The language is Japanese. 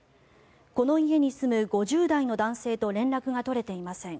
この家に住む５０代の男性と連絡が取れていません。